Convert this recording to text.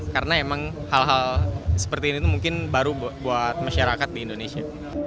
karena emang hal hal seperti ini itu mungkin baru buat masyarakat di indonesia